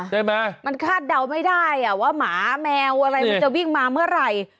ใช่ไหมมันคาดเดาไม่ได้ว่าหมาแมวอะไรมันจะวิ่งมาเมื่อไหร่